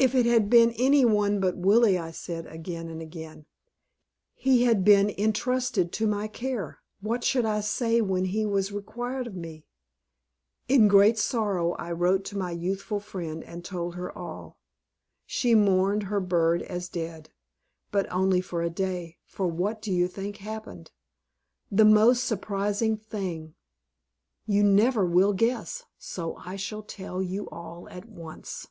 "If it had been any one but Willie," I said, again and again. He had been intrusted to my care; what should I say when he was required of me? In real sorrow I wrote to my youthful friend and told her all. She mourned her bird as dead, but only for a day; for what do you think happened? The most surprising thing! You never will guess; so I shall tell you all, at once.